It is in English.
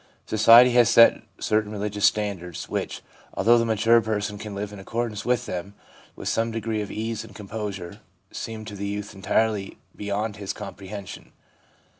Society has set certain religious standards, which, although the mature person can live in accordance with them with some degree of ease and composure, seem to the youth entirely beyond his com prehension.